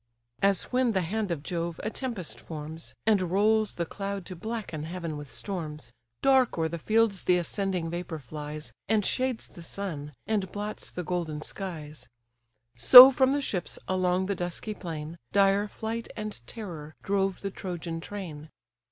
As when the hand of Jove a tempest forms, And rolls the cloud to blacken heaven with storms, Dark o'er the fields the ascending vapour flies, And shades the sun, and blots the golden skies: So from the ships, along the dusky plain, Dire Flight and Terror drove the Trojan train.